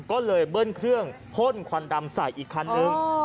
ก็เลยเบิ้ลเครื่องพ่นควันดำใส่อีกคันนึง